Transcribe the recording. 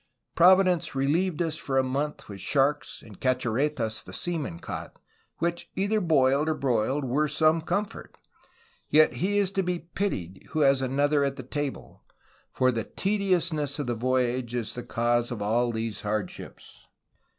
Providence relieved us for a month with sharks and cachorretas the seamen caught, which, either boil'd or broil'd, were some comfort. Yet he is to be pity'd who has an other at his table; for the tediousness of the voyage is the cause of all these hardships.